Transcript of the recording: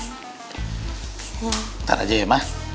ntar aja ya mah